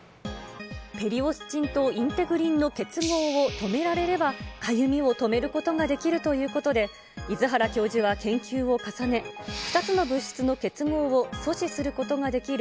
ペリオスチンとインテグリンの結合を止められればかゆみを止めることができるということで、出原教授は研究を重ね、２つの物質の結合を阻止することができる